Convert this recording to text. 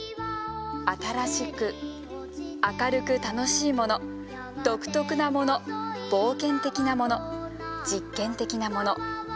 新しく明るく楽しいもの独特なもの冒険的なもの実験的なもの。